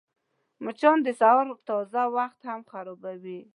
مچان د سهار تازه وخت هم خرابوي